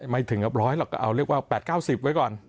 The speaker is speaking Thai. ไม่ถึงกับร้อยหรอกก็เอาเรียกว่า๘๙๐ไว้ก่อน